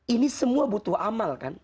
ini semua butuh amal kan